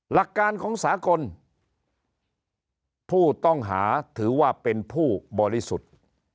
หลักการของสากลผู้ต้องหาถือว่าเป็นผู้บริสุทธิ์